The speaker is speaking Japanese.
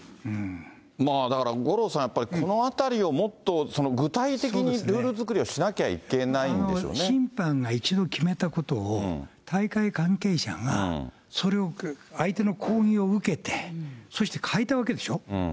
だから、五郎さん、やっぱりこのあたりをもっと具体的にルール作りをしなきゃいけな審判が一度決めたことを、大会関係者が、それを相手の抗議を受けて、そして変えたわけでしょ。